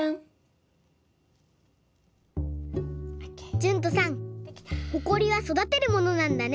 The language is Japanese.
じゅんとさんほこりはそだてるものなんだね。